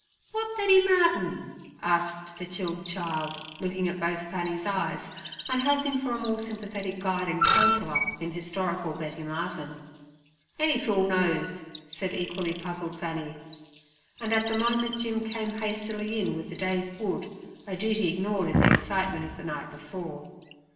'W'at Betty Martin?' asked the chilled child, looking at both Fanny's eyes, and hoping for a more sympathetic guide and counsellor in historical Betty Martin. 'Any fool knows!' said equally puzzled Fanny; and at the moment Jim came hastily in with the day's wood, a duty ignored in the excitement of the night before.